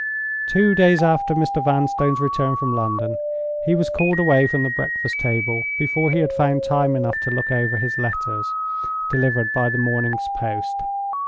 Two days after Mr. Vanstone's return from London, he was called away from the breakfast table before he had found time enough to look over his letters, delivered by the morning's post.